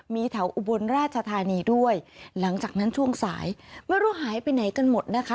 มีแถวอุบลราชธานีด้วยหลังจากนั้นช่วงสายไม่รู้หายไปไหนกันหมดนะคะ